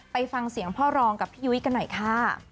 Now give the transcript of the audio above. ไปฟังเสียงพ่อรองกับพี่ยุ้ยกันหน่อยค่ะ